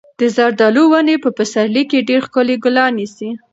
د زردالو ونې په پسرلي کې ډېر ښکلي ګلان نیسي.